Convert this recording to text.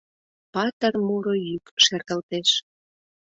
Патыр муро йӱк шергылтеш: